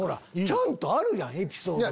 ちゃんとあるやんエピソード。